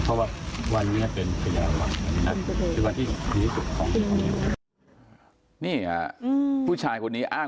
การทำให้มันตามกฎหมายจะพูดมาก